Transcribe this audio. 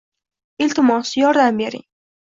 Iltimos yordam bering